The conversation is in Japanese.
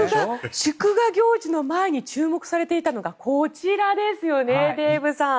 祝賀行事の前に注目されていたのがこちらですよね、デーブさん。